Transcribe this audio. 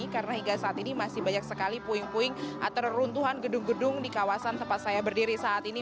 karena hingga saat ini masih banyak sekali puing puing atau runtuhan gedung gedung di kawasan tempat saya berdiri saat ini